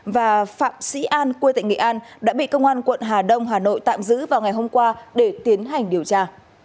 và phạm sĩ an quê tại nghệ an đã bị công an quận hà đông hà nội tạm giữ vào ngày hôm qua để tiến hành điều tra